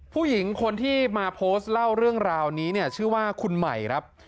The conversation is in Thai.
ผู้หญิงคนที่มาโพสต์เล่าเรื่องราวนี้เนี่ยชื่อว่าคุณใหม่ครับ